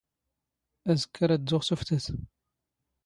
ⴰⵣⴽⴽⴰ ⵔⴰⴷ ⴷⴷⵓⵖ ⵙ ⵓⴼⵜⴰⵙ.